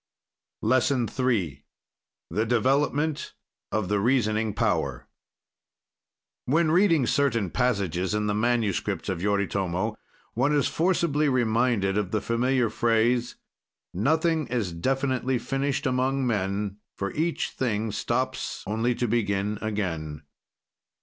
LESSON III THE DEVELOPMENT OF THE REASONING POWER When reading certain passages in the manuscripts of Yoritomo, one is forcibly reminded of the familiar phrase: "Nothing is definitely finished among men, for each thing stops only to begin again."